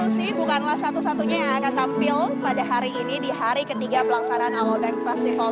juicy lucy bukanlah satu satunya yang akan tampil dari hari ini di hari ketiga pelaksanaan allo bank festival dua ribu dua puluh dua